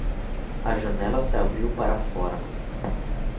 A janela se abriu para fora.